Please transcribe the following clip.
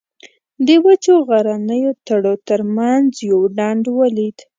د وچو غرنیو تړو تر منځ یو ډنډ ولید.